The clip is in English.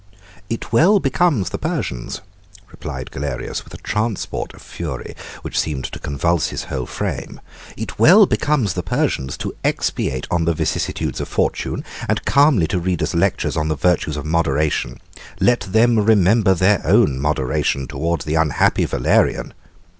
] "It well becomes the Persians," replied Galerius, with a transport of fury, which seemed to convulse his whole frame, "it well becomes the Persians to expatiate on the vicissitudes of fortune, and calmly to read us lectures on the virtues of moderation. Let them remember their own moderation towards the unhappy Valerian.